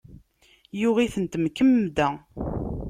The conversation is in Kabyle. Yuɣ itent, mkemmda.